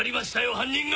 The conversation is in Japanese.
犯人が！